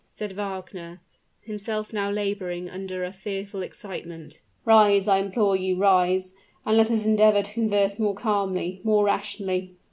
said Wagner, himself now laboring under a fearful excitement. "Rise, I implore you, rise, and let us endeavor to converse more calmly more rationally."